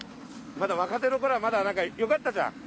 ・まだ若手の頃はまだなんか良かったじゃん。